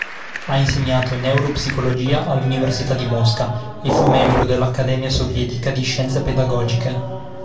Ha insegnato neuropsicologia all'università di Mosca e fu membro dell’"Accademia Sovietica di Scienze Pedagogiche".